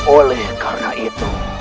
oleh karena itu